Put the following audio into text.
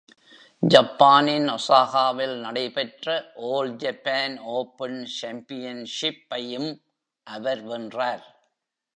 ஜப்பானின் ஒசாகாவில் நடைபெற்ற "All Japan Open Championship"-ஐயும் அவர் வென்றார்.